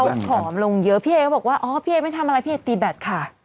เขาผอมลงเยอะพี่เอก็บอกว่าอ๋อพี่เอ๊ไม่ทำอะไรพี่เอตีแบตค่ะ